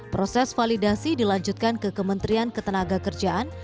proses validasi dilanjutkan ke kementerian ketenagakerjaan